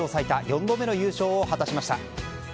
史上最多４度目の優勝を果たしました。